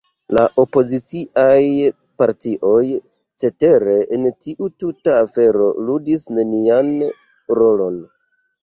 La opoziciaj partioj, cetere, en tiu tuta afero ludis nenian rolon.